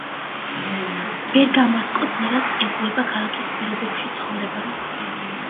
ბერგამასკო ძნელად ეგუება ქალაქის პირობებში ცხოვრებას.